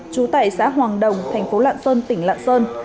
trú tại xã hoàng đồng thành phố lạng sơn tỉnh lạng sơn